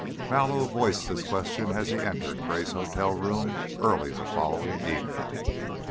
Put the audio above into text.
Mallow voiced this question as he entered Gray's hotel room early the following evening.